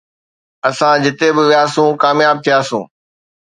اسان جتي به وياسون ڪامياب ٿياسون